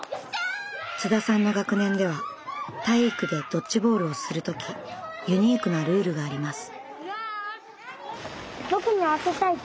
津田さんの学年では体育でドッジボールをする時ユニークなルールがあります。